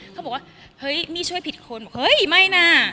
เขาบอกว่าเฮ้ยมี่ช่วยผิดคนบอกเฮ้ยไม่นะ